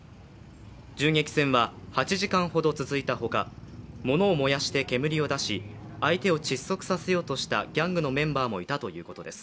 銃撃戦は８時間ほど続いたほか物を燃やして煙を出し、相手を窒息させようとしたギャングのメンバーもいたということです。